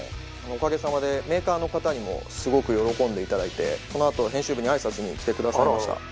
おかげさまでメーカーの方にもすごく喜んでいただいてそのあと編集部に挨拶に来てくださいました。